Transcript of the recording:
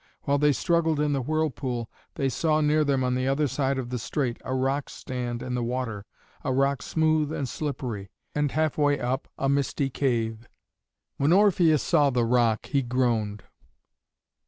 While they struggled in the whirlpool, they saw near them on the other side of the strait a rock stand in the water a rock smooth and slippery, and half way up a misty cave. When Orpheus saw the rock he groaned.